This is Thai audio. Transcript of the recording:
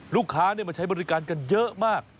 ลูกค้ามาใช้บริการกันเยอะมาก